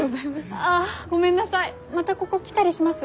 ああごめんなさいまたここ来たりします？